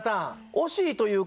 惜しいというか。